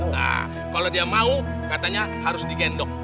nah kalau dia mau katanya harus digendong